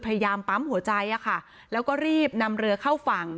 พยายามปั๊มหัวใจอะค่ะแล้วก็รีบนำเรือเข้าฝั่ง